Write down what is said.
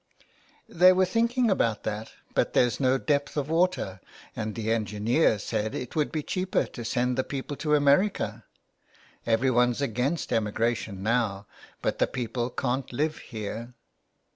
" They were thinking about that, but there's no depth of water, and the engineer said it would be cheaper to send the people to America. Every one's against emigration now, but the people can't live here."